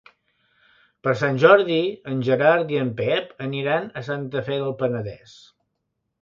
Per Sant Jordi en Gerard i en Pep aniran a Santa Fe del Penedès.